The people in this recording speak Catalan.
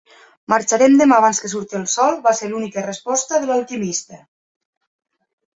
"Marxarem demà abans que surti el sol" va ser l'única resposta de l'alquimista.